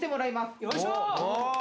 よいしょー。